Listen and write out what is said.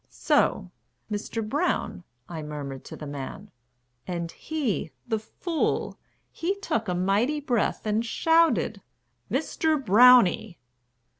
So "Mr. Brown" I murmured to the man, And he the fool! he took a mighty breath And shouted, "Mr. BROWNIE!"